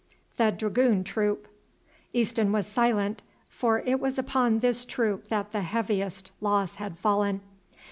"The Dragoon troop." Easton was silent, for it was upon this troop that the heaviest loss had fallen.